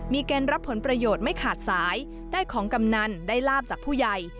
เกณฑ์รับผลประโยชน์ไม่ขาดสายได้ของกำนันได้ลาบจากผู้ใหญ่